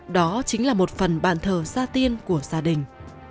đó chính là một phần bạn thờ gia tiên của gia đình